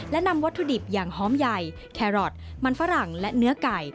และนำวัตถุดิบอย่างหอมใหญ่แครอทมันฝรั่งและเนื้อไก่